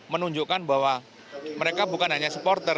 menunjukkan bahwa mereka bukan hanya supporter